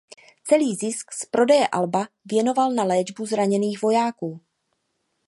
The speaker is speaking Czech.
Celý zisk z prodeje alba věnoval na léčbu zraněných vojáků.